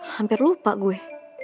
hampir lupa gue